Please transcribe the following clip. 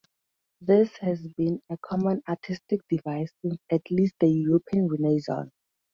This has been a common artistic device since at least the European Renaissance.